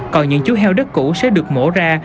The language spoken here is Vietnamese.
còn những chú heo đất cũ sẽ được mổ ra